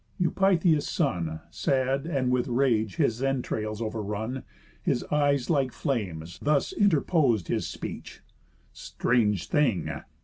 Eupitheus son, Sad, and with rage his entrails overrun, His eyes like flames, thus interpos'd his speech: "Strange thing!